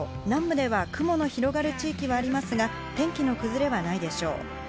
南部では雲の広がる地域はありますが、天気の崩れはないでしょう。